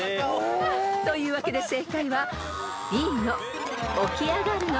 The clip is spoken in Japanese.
［というわけで正解は］